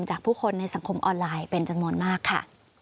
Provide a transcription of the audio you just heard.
จากผู้คนในสังคมออนไลน์เป็นจำนวนมากค่ะ